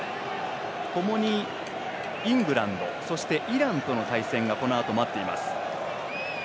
ともにイングランドそしてイランとの対戦がこのあと待っています。